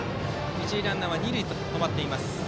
一塁ランナーは二塁で止まっています。